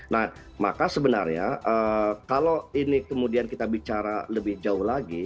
nah maka sebenarnya kalau ini kemudian kita bicara lebih jauh lagi